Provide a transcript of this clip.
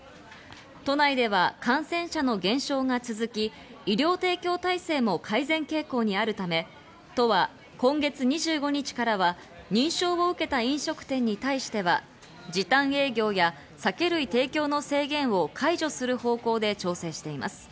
都内では感染者の減少が続き、医療提供体制も改善傾向にあるため、都は今月２５日からは認証を受けた飲食店に対しては時短営業や酒類提供の制限を解除する方向で調整しています。